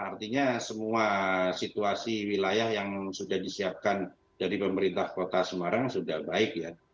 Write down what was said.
artinya semua situasi wilayah yang sudah disiapkan dari pemerintah kota semarang sudah baik ya